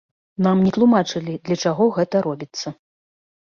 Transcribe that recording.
Нам не тлумачылі, для чаго гэта робіцца.